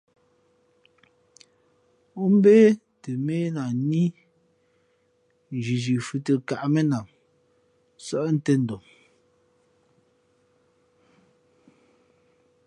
Ǒ mbě tα měh lah ní, nzhinzhi fhʉ̄ tᾱ káʼmenam nsάʼ tēn dom.